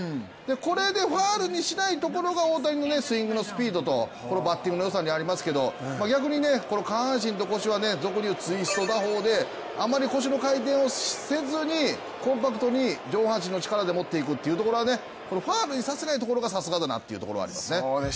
これでファウルにしないところが大谷のスイングのスピードとこのバッティングのよさにありますけれども、逆にこの下半身と腰は俗に言うツイスト打法であまり腰の回転をせずにコンパクトに上半身の力で持っていくというところはファウルにさせないところがさすがだなというところですね。